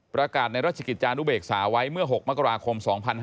ในราชกิจจานุเบกษาไว้เมื่อ๖มกราคม๒๕๕๙